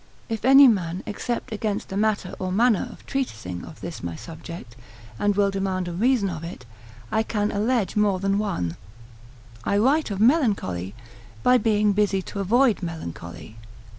If any man except against the matter or manner of treating of this my subject, and will demand a reason of it, I can allege more than one; I write of melancholy, by being busy to avoid melancholy.